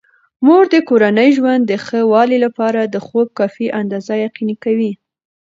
مور د کورني ژوند د ښه والي لپاره د خوب کافي اندازه یقیني کوي.